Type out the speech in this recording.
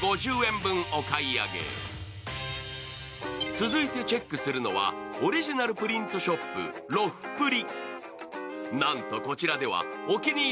続いてチェックするのはオリジナルプリントショップロフプリ。